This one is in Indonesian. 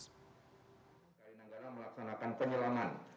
kri nanggala melaksanakan penyelaman